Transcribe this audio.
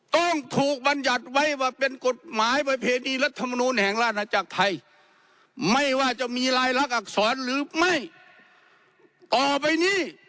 ต้องถูกบรรยัติไว้ว่าเป็นกฎหมายประเภทดีรัฐธรรมนุนแห่งราชนาจักรไทย